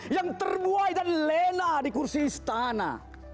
yang terbuai dan lena di kursi istana